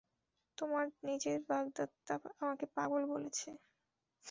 তোমার নিজের বাগদত্তা তোমাকে পাগল বলেছে।